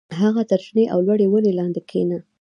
هغه تر شنې او لوړې ونې لاندې کېنه